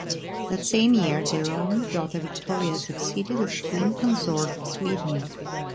That same year, their only daughter Victoria succeeded as Queen consort of Sweden.